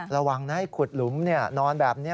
ระวังนะให้ขุดหลุมนอนแบบนี้